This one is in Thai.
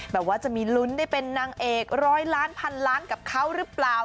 ว่าจะมีลุ้นได้เป็นนางเอกร้อยล้านพันล้านกับเขาหรือเปล่า